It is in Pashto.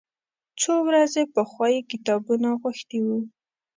څو ورځې پخوا یې کتابونه غوښتي و.